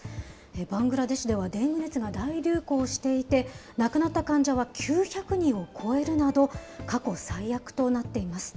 バングラデシュではデング熱が大流行していて、亡くなった患者は９００人を超えるなど、過去最悪となっています。